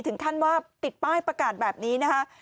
ถึงขั้นว่าติดป้ายประกาศแบบนี้นะคะ